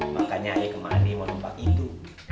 makanya ayo kemari mau lempak itu